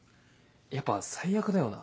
やっぱ最悪だよな。